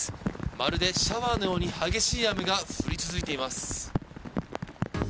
まるでシャワーのように激しい雨が降り続いています。